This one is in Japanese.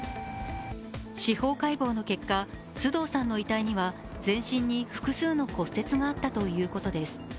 司法解剖の結果、須藤さんの遺体には全身に複数の骨折があったということです。